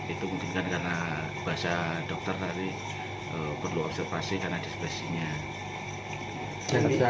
itu mungkin karena bahasa dokter tadi perlu observasi karena disitu ada kesempatan yang tidak bisa diperlukan